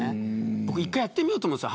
僕、１回やってみようと思うんです。